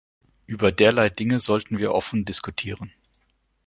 Über derlei Dinge sollten wir offen diskutieren.